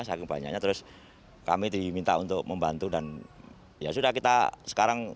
saking banyaknya terus kami diminta untuk membantu dan ya sudah kita sekarang